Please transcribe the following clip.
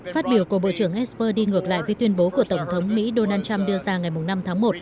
phát biểu của bộ trưởng esper đi ngược lại với tuyên bố của tổng thống mỹ donald trump đưa ra ngày năm tháng một